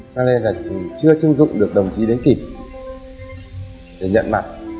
cho nên là chưa chứng dụng được đồng chí đến kịp để nhận mặt